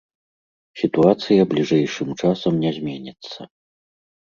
Сітуацыя бліжэйшым часам не зменіцца.